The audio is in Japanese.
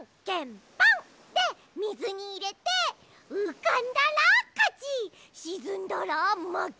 でみずにいれてうかんだらかちしずんだらまけ！